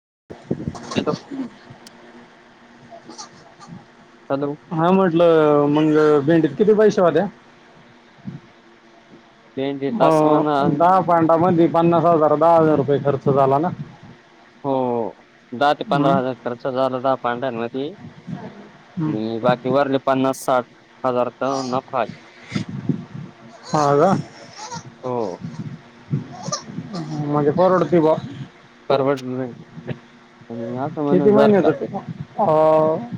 Hello! [unintelligible] Hello! अ-मंग भेंडीत किती पैसे [unintelligible] भेंडी हो, तासाना दहा पांटामध्ये पन्नास हजार दहा हजार रुपये खर्च झाला ना. हो दहा ते पंधरा हं, हजार खर्च झाला. दहा [unintelligible] मधी. हं. आणि बाकी वरले पन्नास साठ. हजार टन नफा हा का हो म्हणजे परवडती बा. [unintelligible] असं म्हण किती जर महिन का जाते अ अ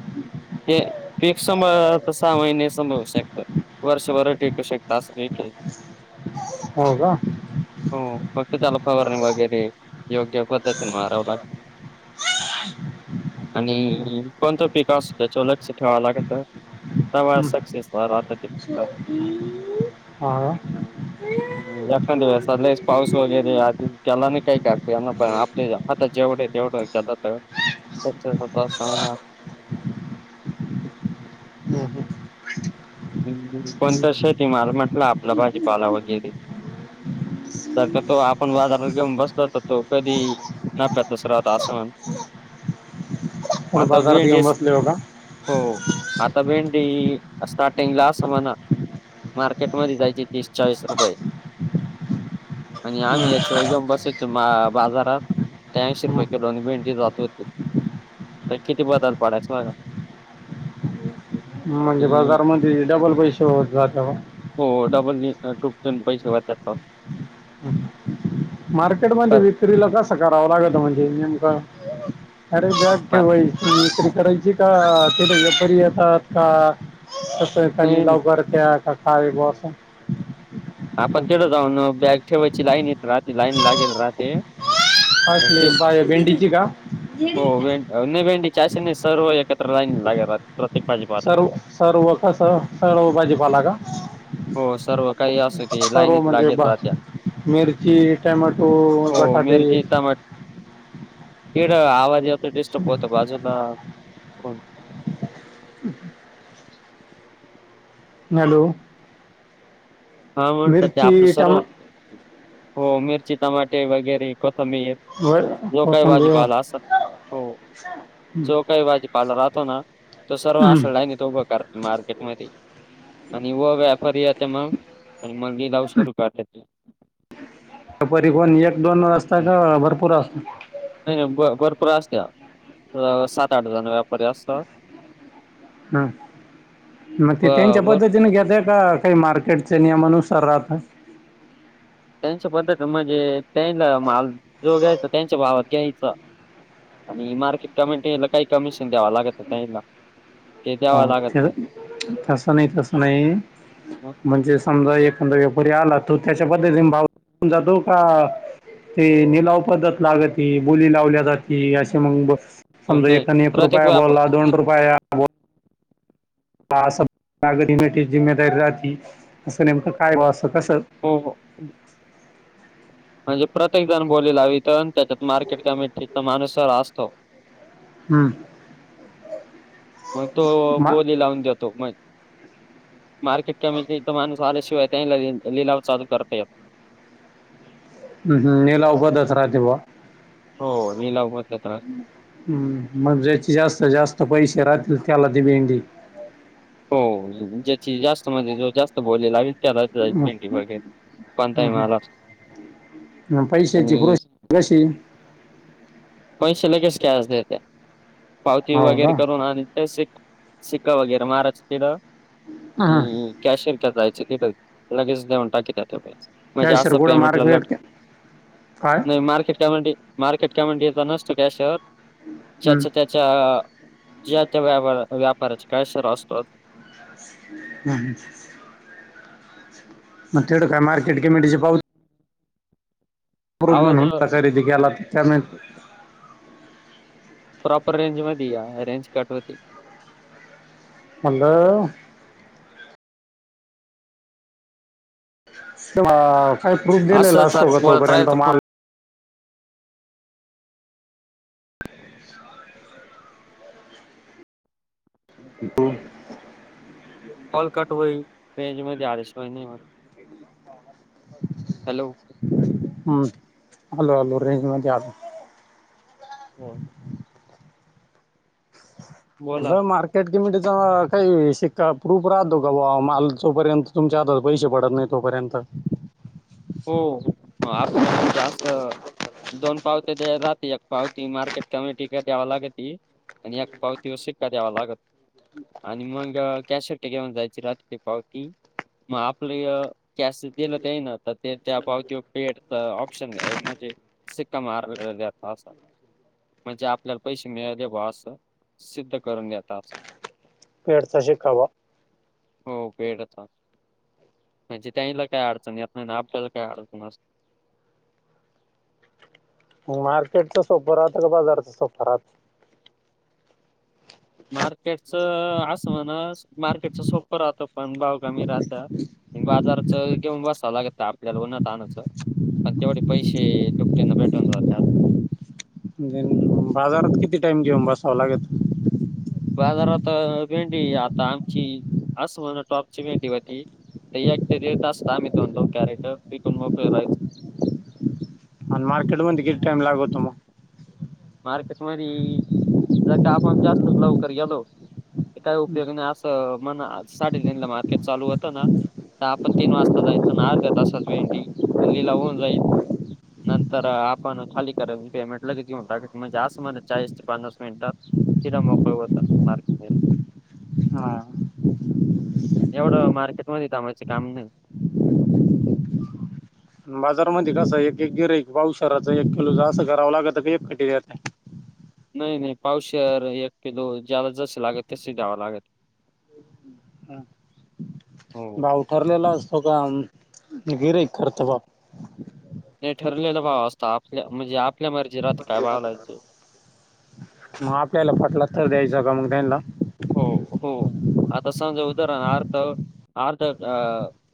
ते एक सम त सहा महिने साभांळु शकते, वर्ष भर टेक शकता [unintelligible] [unintelligible] हो, का? हो, फक्त जल फवारणी वगैर योग्य पद्धतीन मारव लागतं. आणि कोणतं पिकं असूदे त्याव लक्ष ठेवावं लागंतं. तवा हं, सक्सेस. [unintelligible] हा का एकांद वेळेस लयचं पाऊस वगैरे आला [unintelligible] पुढे तेवढं [unintelligible] ह ह. कोणत शेती माल म्हटलं आपलं भाजी पाला [unintelligible] [unintelligible] तर तो आपण बाजारात घेऊन बसलो, तर तो कधी नाफ्या तसं राहतं असं म्हण [unintelligible] पुढं आता बाजारात भेंडी घेऊन बसले का हो, आता भेंडी असं स्टार्टिंगला अस मना मार्केटमध्ये जायची तीस चाळीस रुपये. आणि आम्ही याच्या व जाऊन बसायचो. बाजारात त्याऐंशी हं. रुपये किलो आणि भेंडी जात होती. तर किती बदल पडायच मग.? म्हणजे, बाजारमध्ये डबल पैसे होत जात. हो डबल टुपचून पैसे वाचतात [inaudible] मार्केट मध्ये बस विक्रीला कसं करावं लागतं म्हणजे, नेमक. अरे! बॅग मा- ठेवायची [unintelligible] व्यापारी येतात का? तसं आहे का नाही नि नाही लवकर त्या. [unintelligible] आपण तेडं जाऊन बॅग ठेवायची लाईन येत राहते, लाईन लागेल राहते. असले बाय भेंडीची का हो [unintelligible] [unintelligible] सर्व एकत्र [unintelligible] भाजीपाला सर्व सर्व कसं सर्व भाजीपाला का? हो, सर्व काही असं की लाईनत लागेत राहत्या. मिर्ची, टमाटो, बटाटे केड आवाजात डिस्टर्ब होतो, बाजू ला [unintelligible] [unintelligible] हॅलो, हा म्हटलं, ते आपलं मिरची टमा सर्व हो मिरची, टमाटे वगैरे कोथ मीर व- जो काही कोथिंबीर भाजीपाला असल हो जो काही भाजी पाला राहतो ना. तो सर्व हम्म. असला आहे. नाही तो बेकार मार्केट मध्ये आणि व व्यापारी येत मग. आणि मग दऊश रुपया. त्यापारी कोण एक दोन असाता का भरपूर असत? नाही नाही भरपूर असल्या सात आठ जण व्याप परी असता. हां मग ते त्यांच्या पद्धतीने घेतताय का काही मार्केटच्या नियमानुसार राहत. त्यांच्या पद्धती म्हणजे त्यांनला माल जो घ्यायचा त्यांच्या भावात घ्यायचा. आणि मार्केट कमीटी ला काही कमिशन द्याव लागत त्याला. हो तस नाही तस नाही मग म्हणजे समजा एक. व्यापारी आला तो त्याच्या पद्धतीने भाव देऊन जातो का. ते लीलाव पद्धत लागती बोली लावल्या जाती असे मग. पण समजा नाही एकानी एक प्रत्येक रुपया व्याप बोलला दोन रुपया. बोला असं जिमेदारी राहती असं नेमकं काय असत? हो हो म्हणजे, प्रत्येक जण बोली लावीत त्याच्यात मार्केट कमिटीचा माणूस असतो. हम्म. मग तो बोली लावून देतो म्ह मार्केट कमिटी चा माणूस आल्याशिवाय त्यांनला लिलाव चालू करता येत. हम् हम् लिलाव होतंच राहते बा. हो लिलाव पद्धत असते हम्म मग जायच. जास्त जास्त पैसे राहतील त्याला ती भेंडी. हो ज्याची जास्त म्हणजे जो जास्त बोलेल [unintelligible] हं, पैसेची प्रोसेस कशी ये? पैसे लगेच कॅश देते पावती हो वगैरे का करून आण त्याशी हं. [unintelligible] लगेच देऊन तकीत्यात. काय सरगोडा मार्केट काय [unintelligible] मार्केट कमीटीचा नसतो कॅश वर हम्म. ज्याचं त्याच्या जा त्या व्यापारात व्यापाराच काय सर असतोच. हम्म मग तिकडं काय मार्केट कमिटीचे पावती प्रुफ आवाज म्हणून कसं आहे तीथ गेलात त्याच्याम प्रॉपर रेंज मध्ये या. रेंज कट होते. हॅलो! काय प्रूफ दिलेला असतो असंच ग बोलत राहिल तोपर्यंत? तर माल [unintelligible] हॅलो. हम्म अलो अलो रेंज मदी आलो. हो. बोला ब मार्केट मि काही शिक्का प्रूफ राहतो का बा तोपर्यंत तुमच्या हातात पैसे पडत नाही तोपर्यंत? पर्यंत हो आपलं मग जास्त दोन पावते राह एक पावती मार्केट कमिटी का द्यावा लागती. आणि एक पावतीवर सिक्का द्यावा लागत. आणि मग कॅशकट घेऊन जायची रात्रीची पावती. मग आपलं कॅश दिलं ते ये ना. तर ते त्या पावती पेटच ऑप्शन म्हणजे सिक्का मार दचा अस म्हणजे आपल्याला पैसे मिळाले व अस सिद्ध करून देत अस. पेडता शिकावा. हो भेड म्हणजे त्याला काय अडचणी य. नाही नाही आपल्याला काय अर्थ नस मार्केटचा सोप राहात का बाजारचा सोप राहात? मार्केटच असं म्हणा मार्केटच सोपं राहतं पण भाव कमी राहत. बाजारच बसालागत आपल्याला उन्हाच तानचं. पण तेवढे पैसे दुपटीन भेटून जातात. [inaudible] बाजारात किती टाइम घेऊन बसावं लागत? बाजारात भेंडी आता आमची अस म्हण टॉपची भेंडी होती. ते एकट येत असत आमही तो म्हणतो कॅरेट विकून मोकळे रायच. आणि मार्केटमध्ये कीती टाइम लागतो मग [inaudible] मार्केट मध्ये आपण जास्तच लवकर गेलो काय उपयगी नाही असं मण साडे तीनला मारकेट चालू होत ना आपण तीन वाजता जायचं ना अर्धा तासच भेंडी हल्लीला होन जाईल. नंतर आपण खाली कर पेमेंट लगेच येऊण ट म्हणजे असं म्हला चाळीस ते पन्नास मिनिट. तिला मोकळ होता मार हा. एवढं मार्केट मध्ये थांबाचे काम नाही. [inaudible] बाजारमध्ये कसं एक एक गिर एक पाऊ शहराचा एक किलो असं करावं लागत क एक कटी देत [inaudible] नाही नाही. पावशेर, एक किलो ज्याला जसे लागत तसे द्यावा लागत. हो भाव ठरलेला अस का गिरइक करत भाव. हे ठरलेलं भाव असतो, आपल्या म्हणजे आप मग आपल्याला फटला तर द्यायचं का? मग त्यांला. हो हो, आता समजा उदाहरण अर्थ, अर्ध अ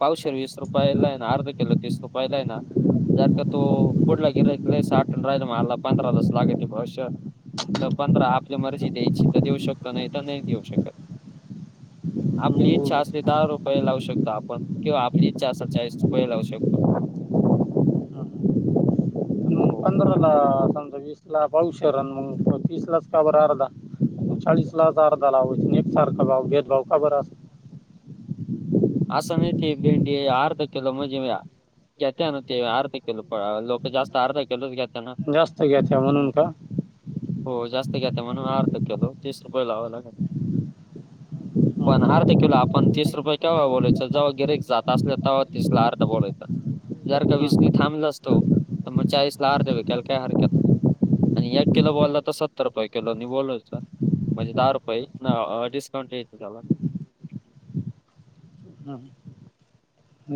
पावशर वीस रुपयालाय ना, अर्ध किलो तीस रुपयालाय ना जार का तू पुडला गिराइक ल सा आठ राज हला पधरा लस लागे तश्य तर पंधरा आपली मर्जी द्यायची तर देऊ शकतो नाही तर नाही देऊ शकत. [inaudible] आपली इच्छा असली दहा रुपये लावू शकतो आपण किंवा आपली इच्छा असल चाळीस रुपये लावू शकतो. [inaudible] ह. हो. समज वीस ला पावशेर आणि मग तीस लाच का बर अर्धा? चाळीस ला अर्धा लावा एकसारखा भाव भेदभाव का बर असं नाही भेंडी अर्ध किलो म्हणजे घेतत्या ण ते अर्ध किलो. प लोक जास्त अर्ध किलोच घेत्या. ना. जास्त घेत्या हं. म्हनूनका? हो जास्त घेत्या म्हणून, अर्धा किलो म्हणून तीस रुपये लावा लागात्या. पण अर्धा केला आपण तीस रुपये केव्हा बोलायचं जव गिरक जात असल् तेव्हा तिसला अर्धा बोलायच. जर का वीसनी थांबलाच तो, त म चाळीस ला अर्धा विकायला काय हरकत नाही. आणि एक किलो बॉलला त सत्तर रुपये किलो बोलयच. म्हणजे दहा रुपये डिस्काउंट द्यायचं त्याला. [inaudible]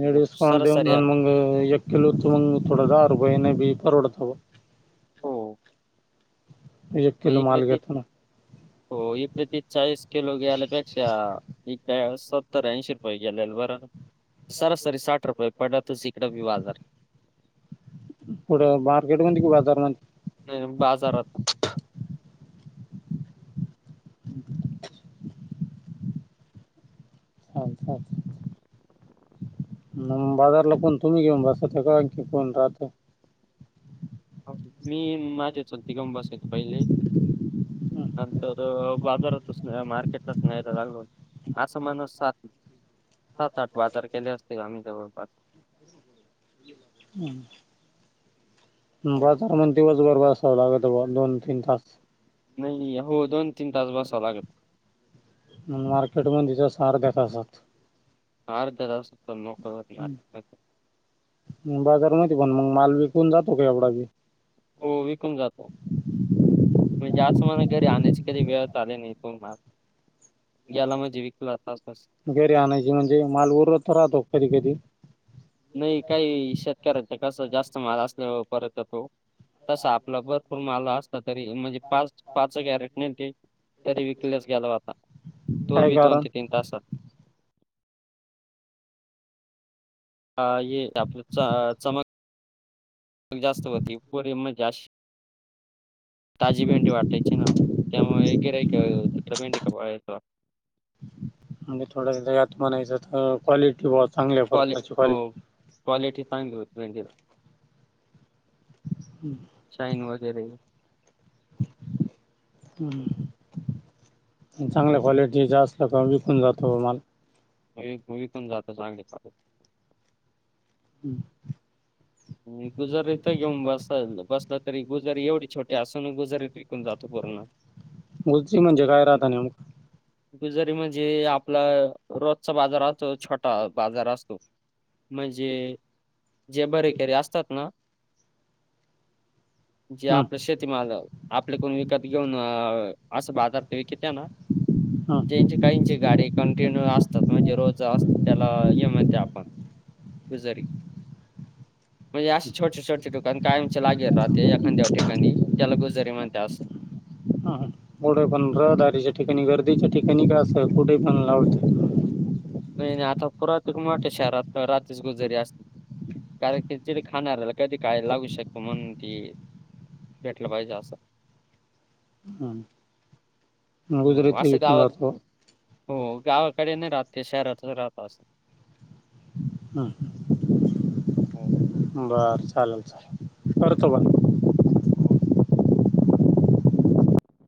लेडीज काउंट देऊन सरासरी मग, असते. एक कीलोत थोडे दहा रुपयांनी बी परोडत बा. हो. एक मग किलो माल इकडेती घेतो ना हो इकडेती चाळीस किलो गेल्यापेक्षा त्या सत्तर ऐंशी रुपये गेलेले बरं ना. सरासरी साठ रुपये पडला तोच ईकड बी बाजार. कुठं मार्केटमध्ये का? बाजार मध्ये? बाजारात. [inaudible] [inaudible] हच्च् मग बाजारला कोण तुम्ही घेऊन बसात्या का आणखी कोण राहत? मी, माझे चुलते घेऊन बसायचे पहिले. ह. नंतर बाजारातच नाही मार्केटलाच न्यायला लागलो, असं म्हणा सात [inaudible] सात आठ बाजार केले असतील, आम्ही जवळपास. हम्म, हो. बाजार म दिवसबर बसाव लागत बा दोन, तीन तास. नाही, हो दोन तीन तास बसावं लागत. मार्केट मदिच अस अर्धा तासात. अर्धा तास पण मोकळ होत्या, हं. बाजार मध्ये पण मग माल विकून जातो का? एवडा बी. हो, विकून जातो. म्हणजे अस म्हणा घरी आणण्याची कधी वेळ आली नाही, तो माल, ग्याला म्हणजे विकलाच अस. घरी आणायची म्हणजे, माल उरवत राहतो का? कधी कधी. नाही काही शेतकऱ्यांच कस जास्त माल असल्यावर, परत य तो. तस आपला भरपूर माल असतो कधी कधी, म्हणजे पाच पाच कॅरेट नील ते. तरी विकल्याच गेला होता, तो काय बी दोन कारण ते तीन तासात. अ ये आपल च चमक जास्त होती पोरे म्हण गॅश ताजी भेंडी वाटायची ना त्यामुळे गिराईक तिथ भेंडी कपायच म्हणजे थोडासा यात म्हणायचं तर क्वालिटी वॉच क्वाल हो क्वालिटी चांगली होती भेंडिला हम्म. शाईन वगैरे हम् चांगल्या हो. क्वालिटीच असल का विकून जातो बा माल. मग विकून जातो चांगल्या क्वालिटीचा. हम्म. गुजरीत घेऊन बसल बसतात. तरी गुजरी एवढी छोटी असून, गुजरीत विकून जातो पूर्ण. गची म्हणजे काय राहता न्यामक गुजारी म्हणजे आपला रोजचा बाजाराच छोटा बाजार असतो म्हणजे जे बरेकरे असतात ना जे हं, आपलं शेतीमाल आपले कोण विकत घेऊन असं बाजार ते विक त्या ना हं, हं, त्यांची काहींची गाडी कंटिन्यू असतात म्हणजे रोज अस त्याला येम येते आपण गुजारी म्हणजे असं छोटे छोटे दुकान कायमचे लागेल राहते एखांद्या ठिकाणी त्याला गुजरी म्हणते अस हां हां कोड पन रहदारीच्या ठिकाणी च्या ठिकाणी का असं कुठे पण लावत नाही नाही आता पुरात खू मोठ्या शहरात रात्रीच गुजरी असली कारण की ति खाणार कधी काय लागू शकतो म्हणून ते भेटलं पाईजे असं ह हो असं गाव हो गावाकडे नाही रात शहरातच राहत अस हम् हम् बर चाललं चाललं करतो हो. करतो